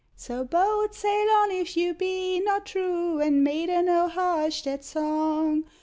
So boat sail on, if you be not true; And maiden, oh hush that song!